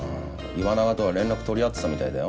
岩永とは連絡取り合ってたみたいだよ。